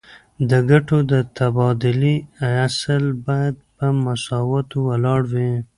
د ګټو د تبادلې اصل باید په مساواتو ولاړ وي